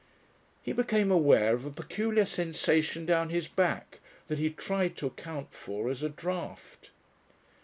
He became aware of a peculiar sensation down his back, that he tried to account for as a draught....